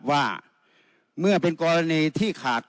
ว่าเมื่อเป็นกรณีที่ขาด